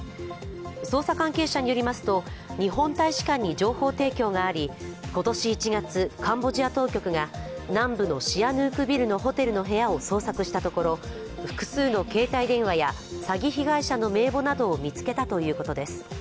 捜査関係者によりますと、日本大使館に情報提供があり、今年１月、カンボジア当局が南部のシアヌークビルのホテルの部屋を捜索したところ、複数の携帯電話や詐欺被害者の名簿などを見つけたということです。